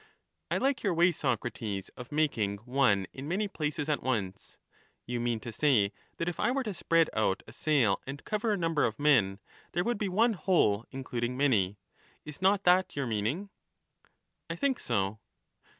I like your way, Socrates, of making one in many places at once. You mean to say, that if I were to spread out a sail and cover a number of men, there would be one whole including many—is not that your meaning? I think so.